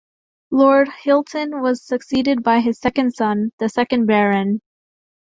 Lord Hylton was succeeded by his second son, the second Baron.